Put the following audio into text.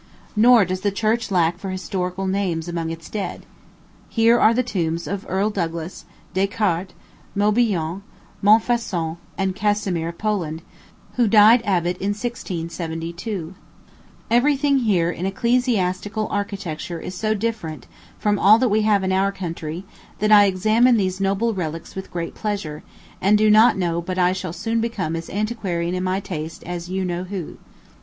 Nor does the church lack for historical names among its dead. Here are the tombs of Earl Douglass, Descartes, Mabillon, Montfaucon, and Casimir of Poland, who died, abbot, in 1672. Every thing here in ecclesiastical architecture is so different from all that we have in our country, that I examine these noble relics with great pleasure, and do not know but I shall soon become as antiquarian in my taste as you know who.